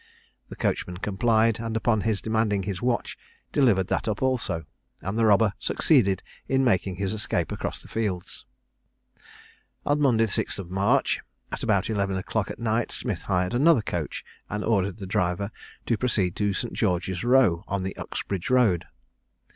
The coachman complied; and upon his demanding his watch, delivered that up also; and the robber succeeded in making his escape across the fields. On Monday the 6th of March, at about eleven o'clock at night, Smith hired another coach, and ordered the driver to proceed to St. George's row, on the Uxbridge road.